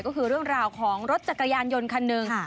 ก็คือเรื่องราวของรถจักรยานยนต์คันหนึ่ง